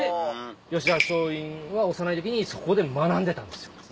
吉田松陰は幼い時にそこで学んでたんですよ。